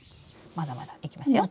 まだまだいきますよ。